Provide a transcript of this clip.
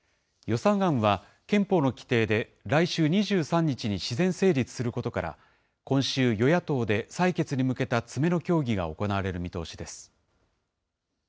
予算案は憲法の規定で来週２３日に自然成立することから、今週、与野党で採決に向けた詰めの協議が行われる見通しです。